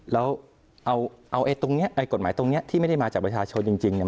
แล้วเอาไอ้ตรงนี้ไอ้กฎหมายตรงนี้ที่ไม่ได้มาจากประชาชนจริงเนี่ย